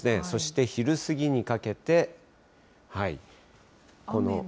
そして昼過ぎにかけて、この。